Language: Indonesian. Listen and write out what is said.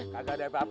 kagak ada apa apa